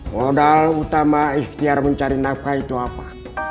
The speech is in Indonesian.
modal utama ikhtiar mencari nafkah itu apa